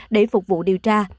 để phục vụ điều tra